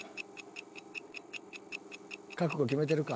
［覚悟決めてるか］